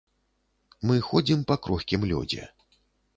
Мы ходзім па крохкім лёдзе.